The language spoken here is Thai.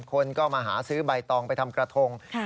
คนก็มาหาซื้อใบตองไปทำกระทง